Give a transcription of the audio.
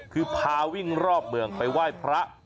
คือพาวิ่งรอบเมืองไปไหว้พระ